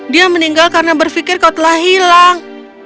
dia meninggal karena berpikir kau telah hilang